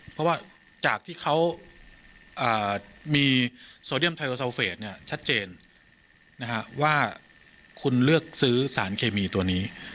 เพราะว่าจากที่เขามีโซเดียมไทโอซาวเฟสชัดเจนว่าคุณเลือกซื้อสารเคมีตัวนี้